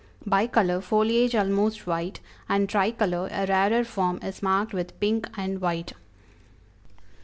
Bicolor, foliage almost white, and Tricolor, a rarer form, is marked with pink and white.